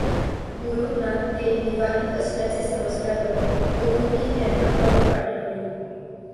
गुरूंना ते विवाहित असल्याचे समजल्यावर गुऊंनी त्यांना परत पाठवले.